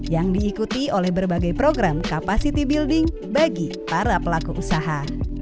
yang diikuti oleh berbagai program capacity building bagi para pelaku usaha